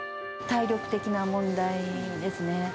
体力的な問題ですね。